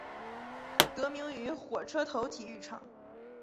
得名于火车头体育场。